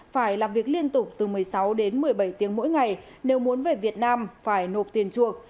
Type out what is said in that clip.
phải làm việc liên tục từ một mươi sáu đến một mươi bảy tiếng mỗi ngày nếu muốn về việt nam phải nộp tiền chuộc